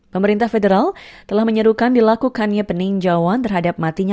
pemerintah federal telah menyeduhkan dilakukannya peninjauan terhadap mati jaringan